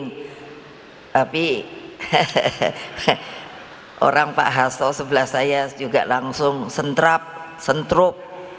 tapi orang pak hasto sebelah saya juga langsung sentrap sentruk